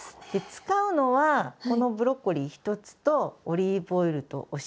使うのはこのブロッコリー１つとオリーブオイルとお塩。